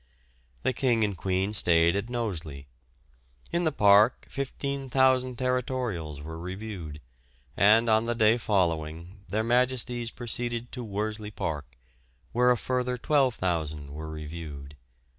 The King and Queen stayed at Knowsley. In the park 15,000 Territorials were reviewed; and on the day following their Majesties proceeded to Worsley Park, where a further 12,000 were reviewed.